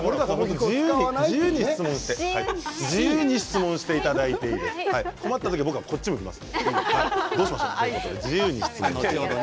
自由に質問していただいて困った時は僕はこっちを向きます。